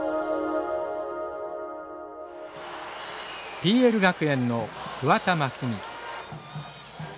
ＰＬ学園の桑田真澄。